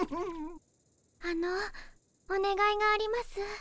あのおねがいがあります。